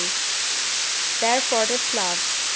therefore this love (III.